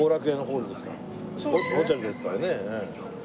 ホテルですからね。